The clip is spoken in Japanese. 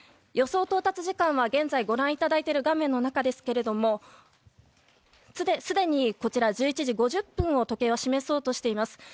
予想到達時間は現在ご覧いただいている画面の中ですがすでに１１時５０分を時計は示そうとしています。